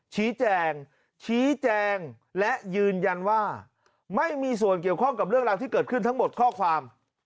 ชี้แจงชี้แจงและยืนยันว่าไม่มีส่วนเกี่ยวข้องกับเรื่องราวที่เกิดขึ้นทั้งหมดข้อความ